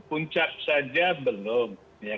puncak saja belum